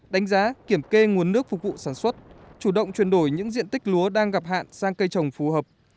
đánh giá kiểm kê nguồn nước phục vụ sản xuất chủ động chuyển đổi những diện tích lúa đang gặp hạn sang cây trồng phù hợp